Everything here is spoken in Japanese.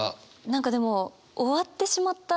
何かでも終わってしまった